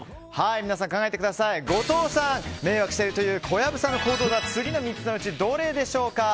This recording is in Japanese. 皆さん、後藤さんが迷惑しているという小籔さんの行動は次の３つのうちどれでしょうか。